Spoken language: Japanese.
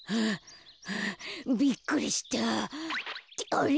あれ？